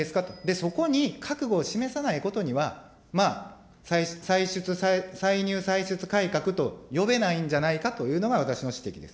そこに覚悟を示さないことには、まあ、歳入歳出改革と呼べないんじゃないかというのが、私の指摘です。